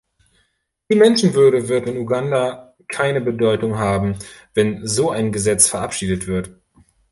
Die Menschenwürde wird in Uganda keine Bedeutung haben, wenn so ein Gesetz verabschiedet wird.